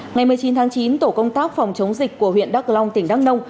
ngày một mươi chín tháng chín tổ công tác phòng chống dịch của huyện đắk long tỉnh đắk nông